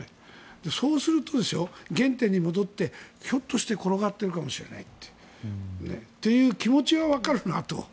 そうすると原点にも戻ってひょっとして転がっているかもしれないという気持ちはわかるなと。